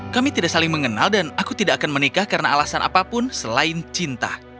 kami tidak saling mengenal dan aku tidak akan menikah karena alasan apapun selain cinta